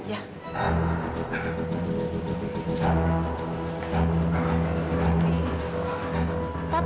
duduk duduk duduk